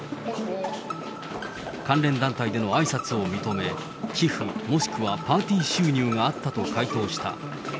関連団体でのあいさつを認め、寄付もしくはパーティー収入があったと回答した。